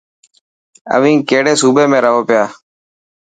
اوين ڪهڙي صوبي ۾ رهو پيا.